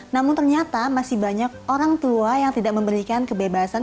namun ternyata masih banyak orang tua yang tidak memberikan kebebasan